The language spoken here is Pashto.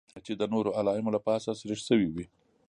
چې د نورو اعلامیو له پاسه سریښ شوې وې.